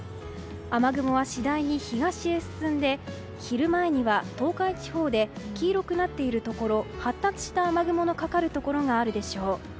雨雲は次第に東へ進んで昼前には東海地方で黄色くなっているところ発達した雨雲のかかるところがあるでしょう。